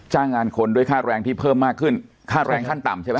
งานคนด้วยค่าแรงที่เพิ่มมากขึ้นค่าแรงขั้นต่ำใช่ไหม